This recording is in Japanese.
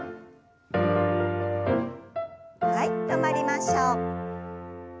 はい止まりましょう。